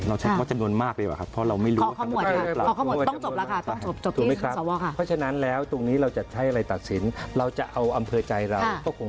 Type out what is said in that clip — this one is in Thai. เราใช้ข้อจำนวนมากดีกว่าครับเพราะเราไม่รู้